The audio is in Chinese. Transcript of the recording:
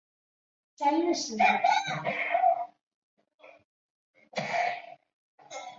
该党是圣保罗论坛的成员。